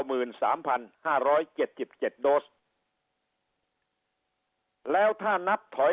หมื่นสามพันห้าร้อยเจ็ดสิบเจ็ดโดสแล้วถ้านับถอย